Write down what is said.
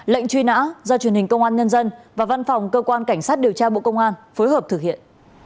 lệnh truy nã do truyền hình công an nhân dân và văn phòng cơ quan cảnh sát điều tra bộ công an phối hợp thực hiện